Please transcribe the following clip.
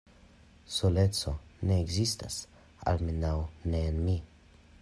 Soleco ne ekzistas, almenaŭ ne en mi.